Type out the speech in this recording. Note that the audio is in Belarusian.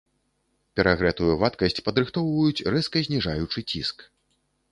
Перагрэтую вадкасць падрыхтоўваюць рэзка зніжаючы ціск.